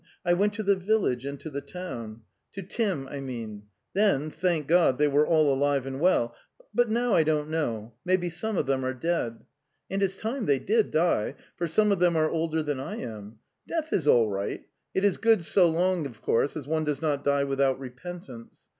I went to the village and to the town. ... To Tim, I mean. 'Then, thank God, they were all alive and wells... 2 but now: I don't 'know. 3\:) Maybe some of them are dead. ... And it's time they did die, for some of them are older than I am. Death is all right; it is good so long, of course, as one does not die without repentance.